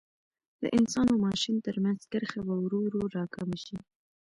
د انسان او ماشین ترمنځ کرښه به ورو ورو را کمه شي.